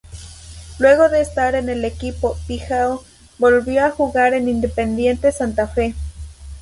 Luego de estar en el equipo "Pijao", volvió a jugar en Independiente Santa Fe.